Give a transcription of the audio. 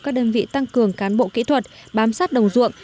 các đơn vị tăng cường cán bộ kỹ thuật bám sát đồng ruộng